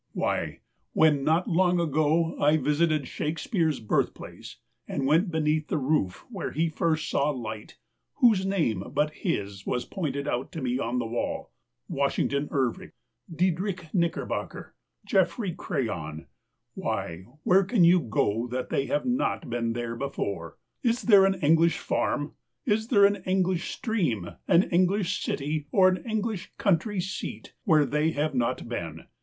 Why, when, not long ago, I vis ited Shakespeare's birthplace, and went beneath the roof where he first saw light, whose name but his was pointed out to me on the wall ? Wash ington Irving — Diedrich Knickerbocker — Geof frey Crayon — why, where can you go that they have not been there before? Is there an Eng lish farm — is there an English stream, an Eng lish city, or an English country seat, where they have not been?